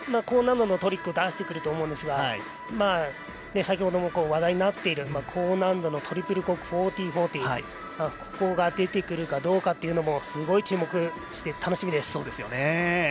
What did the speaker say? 高難度のトリックを出してくると思うんですが先ほどから話題になっている高難度のトリプルコーク１４４０が出てくるかどうかというのもすごい注目して、楽しみです。